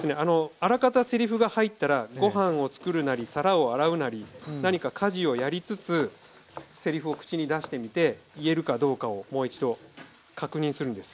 あらかたせりふが入ったらごはんをつくるなり皿を洗うなり何か家事をやりつつせりふを口に出してみて言えるかどうかをもう一度確認するんです。